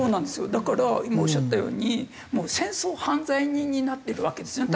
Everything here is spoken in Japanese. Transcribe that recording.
だから今おっしゃったようにもう戦争犯罪人になってるわけですよね逮捕状が。